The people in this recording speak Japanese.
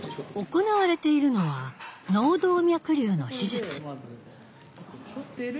行われているのは脳動脈瘤の手術。